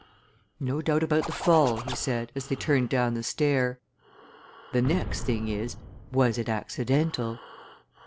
"No doubt about the fall," he said as they turned down the stair. "The next thing is was it accidental?"